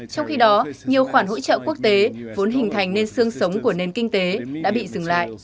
trong khi đó nhiều khoản hỗ trợ quốc tế vốn hình thành nên sương sống của nền kinh tế đã bị dừng lại